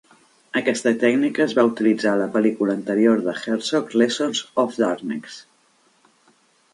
Aquesta tècnica es va utilitzar a la pel·lícula anterior de Herzog "Lessons of Darkness".